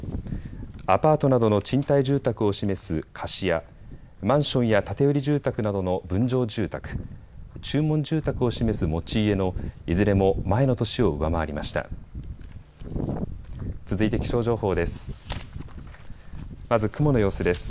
アパートなどの賃貸住宅を示す貸家、マンションや建て売り住宅などの分譲住宅、注文住宅を示す持ち家のいずれも前の年を上回りました。